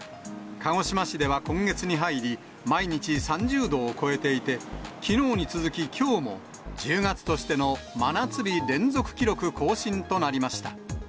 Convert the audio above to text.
鹿児島市では今月に入り、毎日３０度を超えていて、きのうに続ききょうも、１０月としての真夏日連続記録更新となりました。